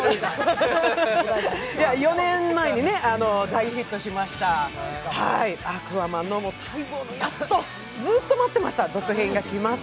４年前に大ヒットしました、「アクアマン」の待望のずっと待ってました、続編が来ます。